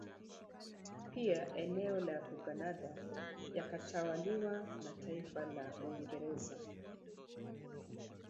Pia eneo la Buganada yakatwaliwa na taifa la Uingereza